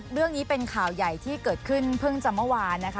เรื่องนี้เป็นข่าวใหญ่ที่เกิดขึ้นเพิ่งจะเมื่อวานนะคะ